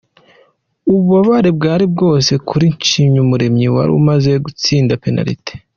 Ububabare bwari bwose kuri Nshimyumuremyi wari umaze gutsinda penaliti.